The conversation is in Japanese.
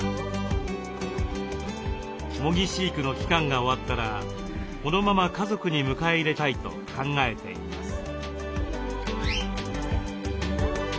模擬飼育の期間が終わったらこのまま家族に迎え入れたいと考えています。